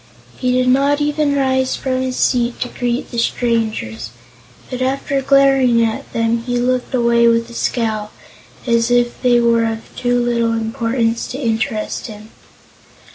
He did not even rise from his seat to greet the strangers, but after glaring at them he looked away with a scowl, as if they were of too little importance to interest him.